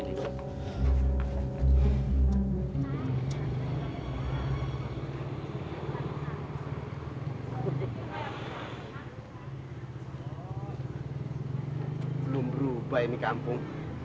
belum berubah ini kampung